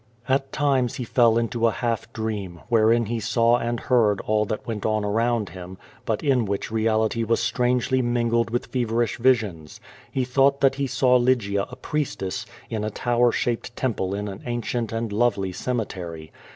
At times he fell into a half dream, wherein he saw and heard all that went on around him, but in which reality was strangely mingled with feverish visions. He thought that he saw Lygia a priestess, in a tower shaped temple in an ancient and lovely cemetery.